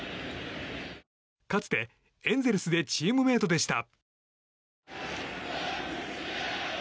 かつて、エンゼルスでチームメートでした。